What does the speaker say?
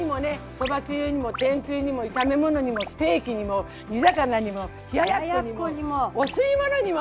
そばつゆにも天つゆにも炒め物にもステーキにも煮魚にも冷ややっこにもお吸い物にも！